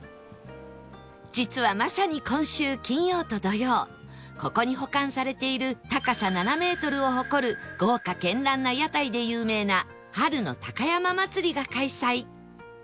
実はまさに今週金曜と土曜ここに保管されている高さ７メートルを誇る豪華絢爛な屋台で有名な春の高山祭が開催